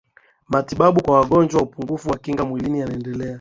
matabibu kwa wagonjwa wa upungufu wa kinga mwilini yaliendea